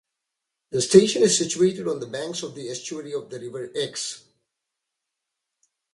The station is situated on the banks of the estuary of the River Exe.